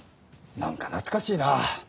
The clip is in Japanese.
何か懐かしいなあ。